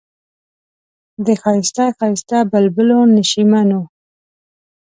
د ښایسته ښایسته بلبلو نشیمن و.